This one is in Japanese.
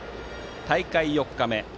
大会４日目。